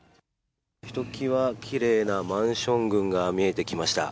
ひときわ奇麗なマンション群が見えてきました。